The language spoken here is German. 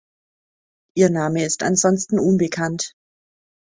Ihr Name ist ansonsten unbekannt.